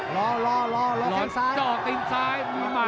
เจอหมัดรอรอรอรอแทงซ้ายจอติ้งซ้ายมีหมัด